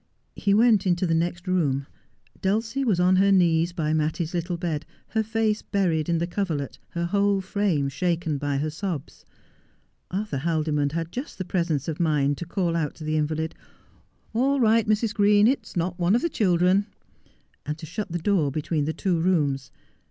He went into the next room. Dulcie was on her knees by Mattie's little bed, her face buried in the coverlet, her whole frame shaken by her sobs. Arthur Haldimond had just presence of mind to call out to the invalid, ' All right, Mrs. Green, it is not one of the children,' and to shut the door between the two rooms.